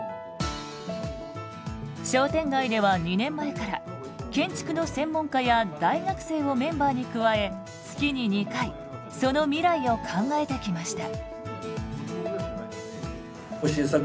商店街では２年前から建築の専門家や大学生をメンバーに加え月に２回その未来を考えてきました。